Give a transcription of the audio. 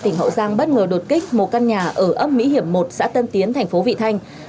tỉnh hậu giang bất ngờ đột kích một căn nhà ở ấp mỹ hiểm một xã tân tiến thành phố vị thanh